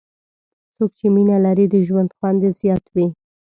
څوک چې مینه لري، د ژوند خوند یې زیات وي.